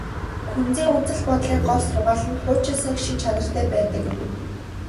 Күнзийн үзэл бодлын гол сургаал нь хуучинсаг шинж чанартай байдаг юм.